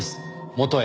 元へ。